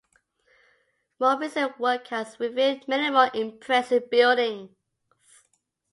More recent work has revealed many more impressive buildings.